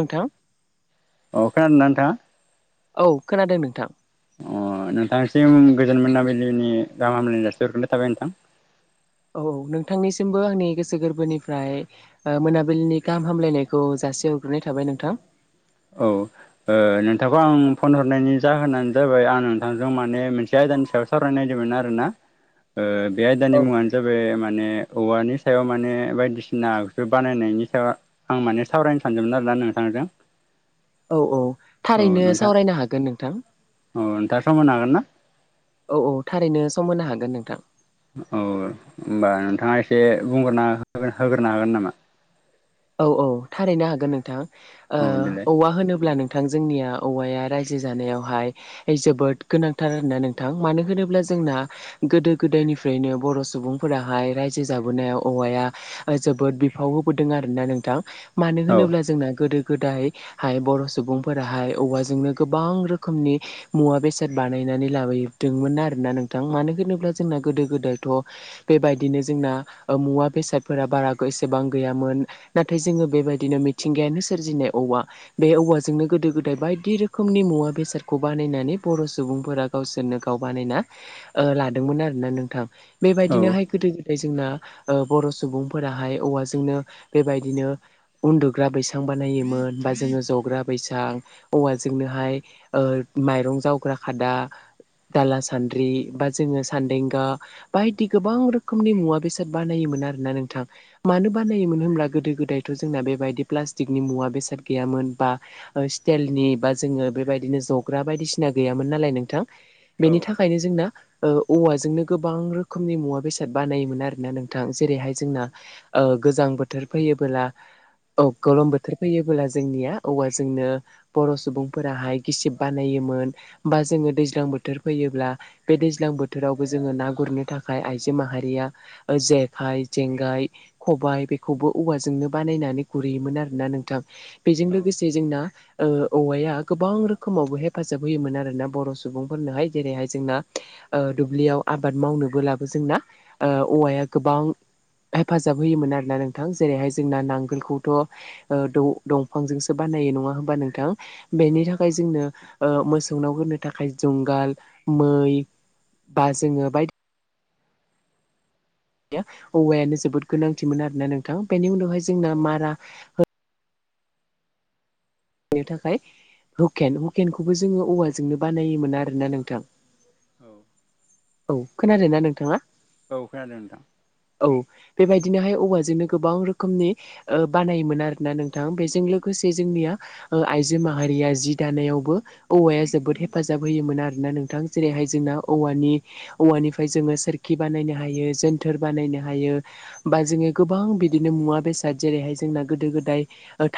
नोंथां अ खानादोंना नोंथां? औ खोनादों नोंथां, अ नोंथांसिम गोजोन मोनाबिलिनि गाहाम हामग्लानाय जासे हरनाय थाबाय नोंथां, औ नोंथांनिसिमबो आंनि गोसो गोरबोनिफ्राय ओ मोनाबिलिनि गाहाम हामलायनायखौ जासे हरग्रोनाय थाबाय नोंथां, औ ओ नोंथांखौ आं फन हरनायनि जाहोनानो जाबाय आं नोंथांजों माने मोनसे आयदानि सायावसो सावरायनो नागिरदोंमोन आरोना। ओ बे औ आयदानि मुङानो जाबाय माने औवानि सायाव माने बायदिसिना आगजु बानायनायनि सायाव आं माने सावरायनो सानदोंमोन आरोना नोंथांजों। औ औ थारैनो सावरायनो हागोन नोंथां। औ नोंथां सम होनो हागोन ना? औ औ थारैनो सम होनो हागोन नोंथां। औ होमबा नोंथाङा एसे बुंग्रोना होगोन होग्रोना हागोन नामा? औ औ थारैनो हागोन नोंथां, ओ औ देलाय औवा होनोब्ला नों थां जोंनिया औवाया रायजो जानायावहाय जोबोद गोनांथार आरोना नोंथां मानो होनोब्ला जोंना, गोदो गोदायनिफ्रायनो बर' सुबुंफोराहाय रायजो जाबोनायाव औवाया। जोबोद बिफाव होबोदों आरोना नोंथां मानो औ होनोब्ला जोंना गोदो। गोदायहाय बर' सुबुंफोराहाय औवाजोंनो गोबां रोखोमनि। मुवा बेसाद बानायनानै लाबोदोंमोन आरोना नोंथां मानो होनोब्ला जोंना गोदो गोदायथ'। बेबायदिनो जोंना मुवा बेसादफोरा बारा एसेबां गैयामोन, नाथाय जोङो बेबायदिनो मिथिंगायानो सोरजिनाय औवा, बे औवाजोंनो गोदो गोदाय बायदि रोखोमनि मुवा बेसादखौ बानायनानै बर' सुबुंफोरा। गावसोरनो गाव बानायना ओ लादोंमोन आरोना नोंथां। औ औ बेबायदिनोहाय गोदो गोदाय जोंना ओ बर' सुबुंफोराहाय औवाजोंनो। बेबायदिनो उन्दुग्रा बैसां बानायोमोन बा जोङो जग्रा बैसां औवाजोंनोहाय ओ माइरं जावग्रा खादा, दाला सान्द्रि बा जोङो सान्देंगा, बायदि गोबां रोखोमनि मुवा बेसाद बानायोमोन आरोना नोंथां मानो बानायोमोन होनब्ला। गोदो गोदायथ' जोंना बेबायदि प्लास्टिकनि मुवा बेसाद गैयामोन बा स्टेइलनि बा जोङो बेबायदिनो जग्रा बायदिसिना गैयामोन नालाय नोंथां। बेनि थाखायनो जोंना ओ औवाजोंनो गोबां रोखोमनि मुवा बेसाद बानायोमोन आरोना नों थां जेरैहाय जोंना गोजां बोथोर फैयोबोला औ गोलोम बोथोर फैयोबोला जोंनिया औवा जोंनो, बर' सुबुंफोराहाय गिसिब बानायोमोन बा जोङो दैज्लां बोथोर फैयोब्ला। बे दैज्लां बोथोरावबो जोङो ना गुरनो थाखाय आइजो माहारिया। जेखाइ जेंगाय खबाय बे खौबो औवाजोंनो बानायनानै गुरहैयोमोन आरोना नोंथां बेजों लोगोसे जोंना। ओ औवाया गोबां रोखोमावबो हेफाजाब होयोमोन आरोना बर' सुबुंफोरनोहाय जेरैहाय जोंना दुब्लियाव आबाद मावनोबो लाबो जोंना ओ औवाया गोबां हेफाजाब होयोमोन आरोना नों थां जेरैहाय जोंना नांगोलखौथ' दंफांजोंसो बानायो नङा होमबा नोंथां? औ बेनि औ थाखाय जोंनो ओ मोसौनाव होनो थाखाय जुंगाल मै बा जोङो बायदि। औवायानो जोबोद गोनांथिमोन आरोना नोंथाङा बेनि उनावहाय जोंना औ मारा। बेनो थाखाय हुकेन हुकेनखौबो जोङो औवाजोंनो बानायोमोन आरोना नोंथां। औ औ खोनादों ना नोंथांङा? औ खोनादों नोंथां। औ बेबायदिनोहाय औवाजोंनो गोबां रोखोमनि ओ बानायोमोन आरोना नोंथां बेजों लोगोसे जोंनिया ओ आइजो माहारिया जि दानायावबो औवाया जोबोद हेफाजाब होयोमोन आरोना नोंथां जेरैहाय जोंना औवानि औवानिफ्राय जोंङो सोरखि बानायनो हायो जोनथोर बानायनो हायो। बा जोंङो गोबां बिदिनो मुवा बेसाद जेरैहाय जोंना गोदो गोदाय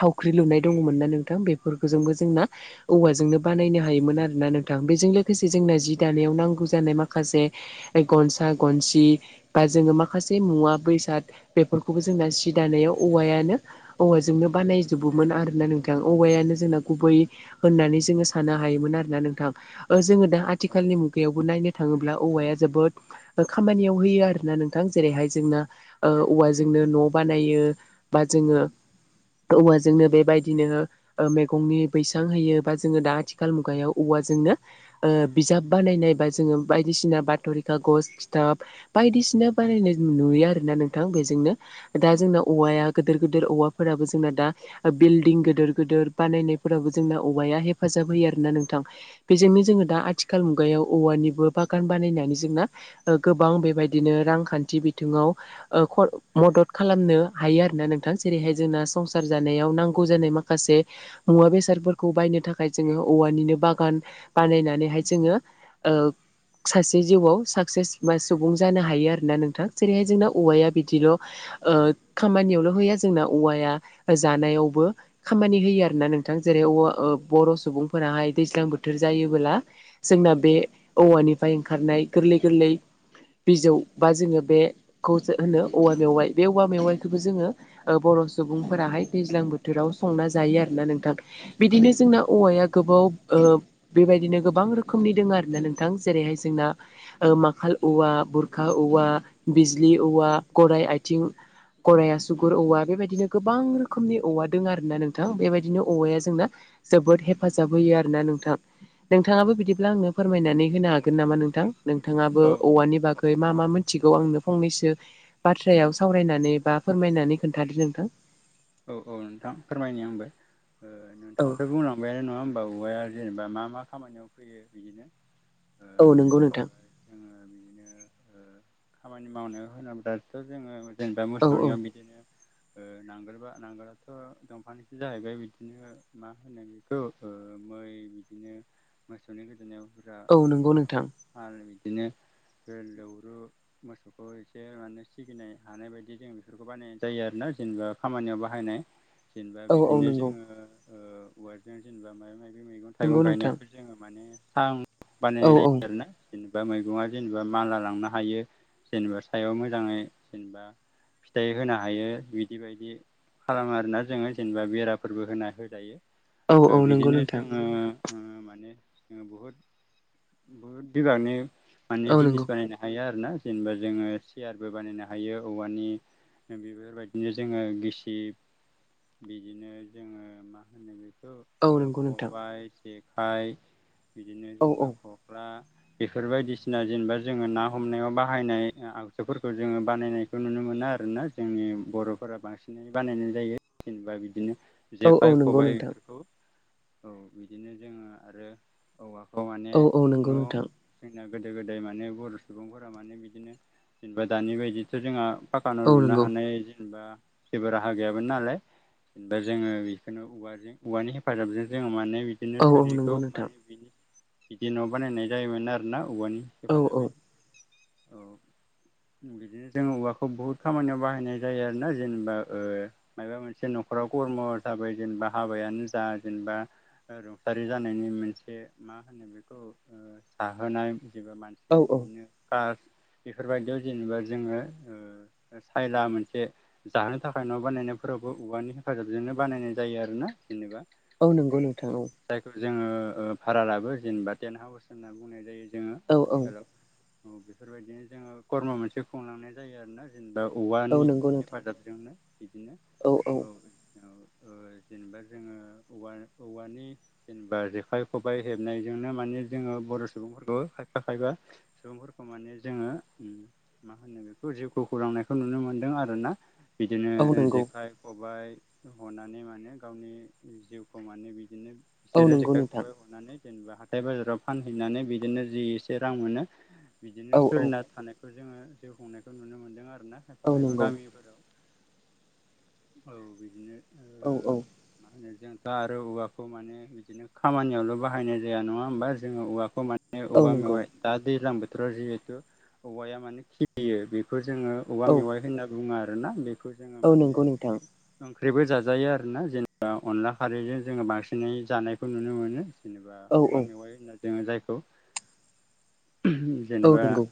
थावख्रि लुनाय दङमोन ना नोंथां बेफोरखौजोंबो जोंना। औवाजोंनो बानायनो हायोमोन आरो ना नोंथां बेजों लोगोसे जोंना जि दानायाव नांगौ जानाय माखासे, गनसा गनसि बा जोङो माखासे मुवा बेसाद बेफोरखौबो जोंना सि दानायाव औवायानो, औवाजोंनो बानायजोबोमोन आरोना नोंथां। औवायानो जोंना गुबै होननानै जोङो साननो हायोमोन आरो ना नोंथां ओ जो दा औ आथिखालनि मुगायावबो नायनो थाङोब्ला औवाया जोबोद। खामानियाव होयो आरो ना नोंथां जेरैहाय जोंना ओ औवाजोंनो न' बानायो। बा जोङो औवाजोंनो बेबाय दि नोंङो ओ मैगंनि बैसां होयो बा जोंङो दा आथिखाल मुगायाव औवाजोंनो ओ बिजाब बानायनाय बा जोंङो बायदिसिना बाथ'रि खागस खिथाब बायदिसिना बानायनाय नुयो आरोना नोंथां बेजोंनो दा जोंना औवाया गोदोर गोदोर औवाफोराबो जोंना दा बिल दिं गोदोर गोदोर बानायनायफोरावबो जोंना औवाया हेफाजाब होयो आर ना नोंथां। बेजोंनो जोंङो दा आथिखाल मुगायाव औवानिबो बागान बानायनानै जोंना ओ गोबां बेबायदिनो रांखान्थि बिथोंङाव ओ ख मदद खालामनो हायो आरोना नोंथां जेरैहाय जोंना संसार जानायाव नांग ग जानाय माखासे मुवा बेसादफोरखौ बायनो थाखाय जोंङो औवानिनो बागान बानायनानैहाय जोंङो ओब सासे जिउआव साक्सेस बा सुबुं जानो हायो आरोना नोंथां। जेरैहाय जोंना औ औवाया बिदिल' ओ खामानियावल' होया जोंना औवाया जानायावबो खामानि होयो आरोना नोंथां जेरै औवा बर' सुबुंफोराहाय दैज्लां बोथोर जायोबोला जोंना बे औवानिफ्राय ओंखारनाय गोरलै गोरलै बिजौ बा जोंङो बेखौसो होनो औवा मेवाइ बे औवा मेवाइखौबो जोंङो ओ बर' सुबुंफोराहाय दैज्लां बोथोराव संना जायो आरोना नोंथां। बिदिनो जोंना औवाया गोबाव ओ बेबायदिनो गोबां रोखोमनि दोंङो आरोना नोंथां जेरैहाय जोंना ओ माखाल औवा बुरखा औवा बिजलि औवा गराय आयथिं गराइ सुगुर औवा बेबायदिनो गोबां रोखोमनि औवा दों आरो ना नोंथां बेबायदिनो औवाया जोंना जोबोद हेफाजाब होयो आरो ना नोंथां। औ नोंथांङाबो बिदिब्ला आंनो फोरमायनानै होनो हागोन नामा नोंथां? नोंथांङाबो औ औवानि बागान यै मा मा मिथिगौ आंनो फंनैसो बाथ्रायाव सावरायनानै बा फोरमायनानै खोन्थादो नोंथां। औ औ नोंथां फोरमायनो आंबो औ नोंथांङाथ' बुंनां औवायानो नंङा होमबा औवाया जेनेबा मा मा खामानियाव फैयो बिदिनो ओ औ नंगौ नोंथां। जोंङो बिदिनो ओ खामानि मावनो होनोब्लाथ' जोंङो जेनेबा औ औ मोसौनियाव बिदिनो ओ नांगोलबा नांगोराथ' दंफांसो जाहैबाय बिदिनो मा होनो बेखौ ओ मै बिदिनो मोसौनि गोदोनायाव बुरजा औ नंगौ माबा नोंथां फाल बिदिनो गोव लोवरु मोसौखौ एसे माने सिगिनो हानाय बायदि जों बेफोरखौ बानायनाय जायो आरोना जेनेबा खामानियाव बाहाय हायनाय जेनेबा औ औ बिदिनो नंगौ जोंङो ओ औवारजों जेनेबा माइबा माइबि मैगं नंगौ थाइगं नोंथां गायनायावबो जोंङो माने सां औ बानायनाय औ जायो आरोना। जेनेबा मैगङा जेनेबा मानला लांनो हायो जेनेबा सायाव मोजाङै जेनेबा फिथाइ होनो हायो बिदि बायदि। खालामो आरोना जोंङो जेनेबा बेराफोरबो होना होजायो औ ओ औ नंगौ बिदिनो नोंथां जोंङो ओ माने बहुद बहुद बिबागनि माने औ जिनिस नंगौ बानायनो हायो आरो ना। जेनेबा जोंङो सियारबो बानायनो हायो औवानि बेफोरबायदिनो जोंङो गिसि ब बिदिनो जोंङो मा होनो बेखौ औ ओ नंगौ नोंथां खबाइ जेखाइ बिदिनो औ औ जेनेबा खख्ला बेफोर बायदिसिना जेनेबा जोंङो ना हमनायाव बाहायनाय आगजुफोरखौ जोंङो बानायनाय खौ नुनो मोना आरोना जोंनि बर'फोरा बांसिनै बानायनाय जायो जेनेबा बिदिनो औ औ जेखाइ नंगौ खबाय नोंथां इफोरखौ औ बिदिनो जोंङो आरो औवाखौ माने औ औ नंगौ न' नोंथां जोंना गोदो गोदाय माने बर' सुबुंफोरा माने बिदिनो जेनेबा दानि बायदिथ' जोंहा फाक्क औ न'लुनो नंगौ हानाय जेनेबा जेबो राहा गैयाबोन नालाय जेनबा जोंङो बेखौनो औवाजों औवानि हेफाजाबजों जोंङो माने बिदिनो औ औ थोरिखौ नंगौ नोंथां माने बि बिदि न' बानायनाय जायोमोन आरो। [unintelligible] औवानि औ हेफाजाबै। औ बिदिनो जोंङो औवाखौ बुहुद खामानियाव बाहायनाय जायो आरोना जेनेबा ओ मायबा मोनसे न'खराव खर्म जाबाय जेनेबा हाबायानो जा जेनेबा रुंसारि जानायनि मोनसे मा होनो बेखौ ओ साहोनाय जेबो मानसि औ बे औ बिदिनो कास बेफोरबायदियाव जेनेबा जोंङो ओ सायला मोनसे जानो थाखा फाइन' बानायनायफोरावबो औवानि हेफाजाबजोंनो बानायनाय जायो आरोना जेनेबा। औ नंगौ नोंथां औ। जायखौ जोंङो ओ भारा लाबो जेनेबा टेन्थ हाउस होनना बुंनाय जायो जोंङो औ औ आथिखालाव। औ बेफोरबायदिनो जोंङो कर्म मोनसे खुंलांनाय जायो आरोना। जेनेबा औ औवानि नंगौ नोंथां हेफाजाबजोंनो बिदिनो औ औ ओ जेनेबा जोंङो औवा औवानि जेनेबा जेखाइ खबाइ हेबनायजोंनो माने जोंङो बर' सुबुंफोरखौ खायफा खायफा सुबुंफोरखौ माने जोंङो मा होनो बेखौ जिउखौ खौरांनायखौ नुनो मोनदों आरोना। बिदिनो औ नंगौ जेखाइ, खबाइ हनानै माने गावनि जिउखौ माने बिदिनो औ बिसोरो नंगौ जेखाइ नोंथां खबाइ हनानै जेनेबा हाथाय बाजाराव फानहैनानै बिदिनो जि एसे रां मोनो औ बिदिनो औ सोलिना थानाय बेखौ जोंङो जिउ खुंनायखौ नुनो मोन्दों आरोना औ खायफा खायफा नंगौ गामिफोराव। औ बिदिनो। औ ओ औ। मा होनो जों दा आरो औवाखौ माने बिदिनो खामानियावल' बाहायनाय जाया नङा होमबा जोंङो औवाखौ मान मे औ औवा नंगौ मेवाइ दा दैज्लां बोथोराव जिहेथु औवाया माने खिलियो बेखौ जोंङो औवा औ मेवाइ होनना बुङो आरोना बेखौ जोंङो औ माने नंगौ नोंथां ओंख्रिबो जाजायो आरो ना जेनेबा अनला खारैजों जोंङो बांसिनै जानायखौ नुनो मोनो। जेनेबा औ औवा औ मेवाइ होनना जोंङो जायखौ औ जेनेबा नंगौ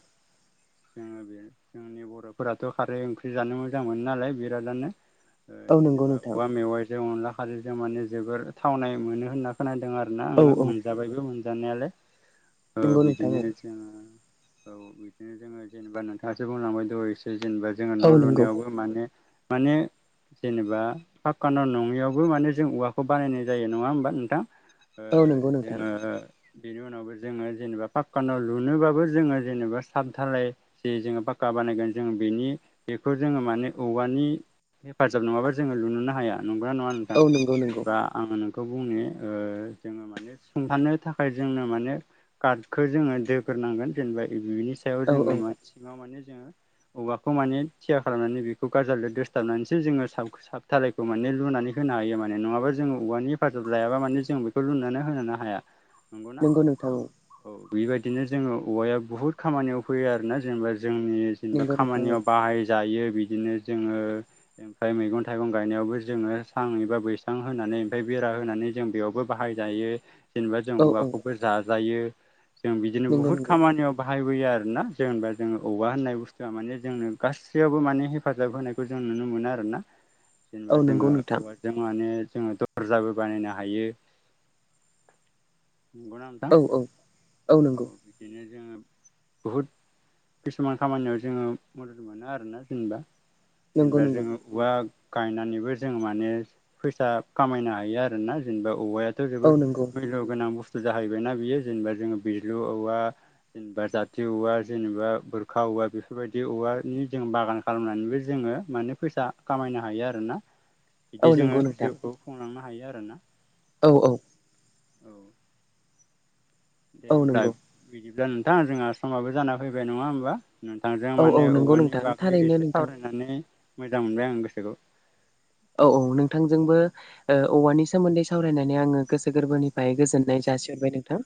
जोंङो बे जोंनि बर'फोराथ' खारै ओंख्रि जानो मोजां मोनो। नालाय बिरादानो ओ औ नंगौ जेनेबा नोंथां औवा मेवाइजों अनला आरो जों माने जोबोर थावनाय मोनो होनना खोनादों आरोना औ आङो औ मोनजाबायबो मोनजानायालाय ओ नंगौ बिदिनो नोंथां औ जोंङो औ बिदिनो जोंङो जेनेबा नोंथाङासो बुंलांबाय दहायसो जेनेबा जोंङो औ न' नंगौ लुनायावबो माने, माने जेनेबा पाक्कान' नङियावबो माने जों औवाखौ बानायनाय जायो नङा होमबा नोंथां। ओ औ नंगौ नोंथां जोंङो बेनि उनावबो जोंङो जेनेबा पाक्का न'लुनोबाबो जोंङो जेनेबा सामधालाय जे जोंङो पक्का बानायगोन जों बेनि बेखौ जोंङो माने औवानि हेफाजाब नङाबा जोङो लुनोनो हाया नंग्रा नङा नोंथां? औ नंगौ नंगौ जेनेबा आङो नोंखौ बुंनो ओ जोङो माने सथानो थाखाय जोंनो माने गार्खौ जोङो दोग्रोनांगोन जेनेबानि सायाव औ जोंङो औ सिङाव माने जोङो औबेवाखौ माने थिया खालामनानै बेखौ गाजजाल दोसथाबनानैसो जोंङो साबथालायखौ माने लुनानै होनो हायो माने नङाबा। जोंङो औवानि हेफाजाब लायाबा माने जों बेखौ लुनानै होनोनो हाया। नंगौना नोंगौ नोंथां औ। औ बेबायदिनो जोंङो औवाया बुहुद खामानियाव फैयो आरोना जेनेबा जोंनि औ जेनबा नंगौ नोंथां खामानियाव बाहायजायो बिदिनो जोंङो ओमफ्राय मैगं थाइगं गायनायावबो जोंङो सां एबा बैसां होनानै ओमफ्राय बेरा होनानै जों बेयावबो बाहायजायो जेनेबा जों औ औ औवाखौबो जाजायो जों बिदिनो नंगौ बुहुत नंगौ खामानियाव बाहायबोयो आरोना जेनेबा जोंङो औवा होननाय बुस्थुआ माने जोंनो गासिबो फ्रियावबो माने हेफाजाब होनायखौ जों नुनो मोनो आरोना औ जेनेबा नंगौ जोंङो नोंथां औवा जों माने जोंङो दरजाबो बानायनो हायो [unintelligible] औ औ औ नंगौ। बिदिनो जोंङो बहुद किसुमान खामानियाव जोंङो मदद मोनो आरो। आरोोना जेनेबा नंगौ जेनेबा नंगौ जोंङो औवा गायनानैबो जों माने फैसा खामायनो हायो आरोना जेनेबा औवाया थ' औ जोबोद नंगौ मैल्य गोनां बुस्थु जाहैबायना बियो जेनेबा जोङो बिजलु औवा जेनेबा जाथि औवा जेनेबा बोरखा औवा बेफोरबायदि औवानि जों बागान खालामनानैबो जोङो माने फैसा खामायनो हायो आरोना बिदि औ जोङो नंगौ नोंथां जिउखौ खुंलांनो हायो आरोना औ औ। औ दे औ होमब्ला नंगौ बिदिब्ला नोंथां जोंहा समाबो जाना फैबाय नङा होमबा? नोंथांजों औ औ माने नंगौ औवानि नोंथां बागै थारैनो एसे नोंथां सावरायनानै मोजां मोनबाय आं गोसोखौ। औ औ नोंथांजोंबो औवानि सोमोन्दै सावरायनानै आङो गोसो गोरबोनिफ्राय गोजोननाय जासिहरबाय नोंथां।